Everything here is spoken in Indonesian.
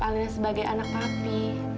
alena sebagai anak papi